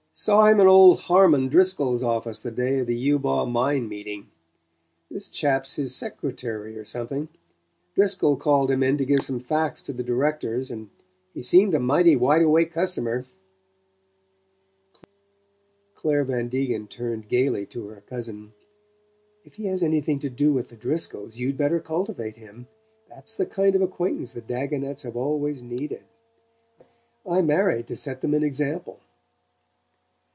Saw him in old Harmon Driscoll's office the day of the Eubaw Mine meeting. This chap's his secretary, or something. Driscoll called him in to give some facts to the directors, and he seemed a mighty wide awake customer." Clare Van Degen turned gaily to her cousin. "If he has anything to do with the Driscolls you'd better cultivate him! That's the kind of acquaintance the Dagonets have always needed. I married to set them an example!"